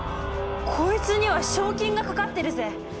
こいつには賞金がかかってるぜ。